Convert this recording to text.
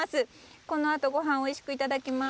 このあとご飯おいしくいただきます。